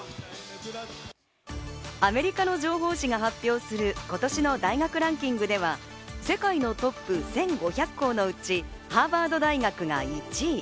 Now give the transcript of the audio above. アメリカの情報誌が発表する今年の大学ランキングでは世界のトップ１５００校のうち、ハーバード大学が１位。